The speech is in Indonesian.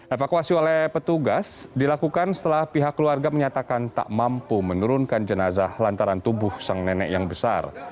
evakuasi oleh petugas dilakukan setelah pihak keluarga menyatakan tak mampu menurunkan jenazah lantaran tubuh sang nenek yang besar